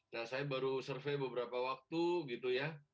nah saya baru survei beberapa waktu gitu ya